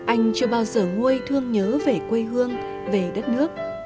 anh chưa bao giờ nguôi thương nhớ về quê hương về đất nước